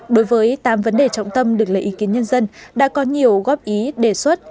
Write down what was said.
đối với tám vấn đề trọng tâm được lấy ý kiến nhân dân đã có nhiều góp ý đề xuất